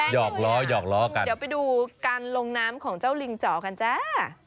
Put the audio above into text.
หอกล้อหยอกล้อกันเดี๋ยวไปดูการลงน้ำของเจ้าลิงจอกันจ้า